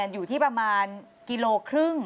อยู่ที่ประมาณกิโลครึ่ง